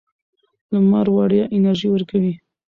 لمر وړیا انرژي ورکوي.